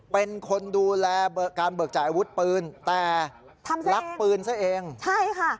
เป็นคนดูแลการเบิกจ่ายอาวุธปืนแต่ลักปืนซะเองใช่ค่ะ